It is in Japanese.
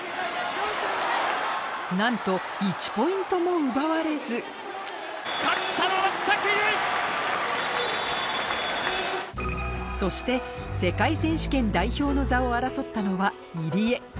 なんと１ポイントも奪われずそして世界選手権代表の座を争ったのは入江